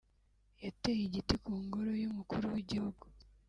yateye igiti ku ngoro y’Umukuru w’Igihugu